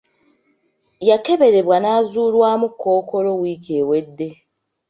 Yakeberebwa n'azuulwamu Kkookolo wiiki ewedde.